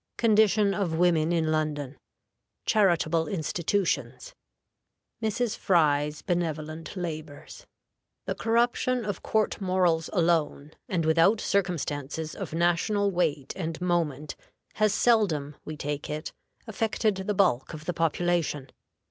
Condition of Women in London. Charitable Institutions. Mrs. Fry's benevolent Labors. The corruption of court morals alone, and without circumstances of national weight and moment, has seldom, we take it, affected the bulk of the population.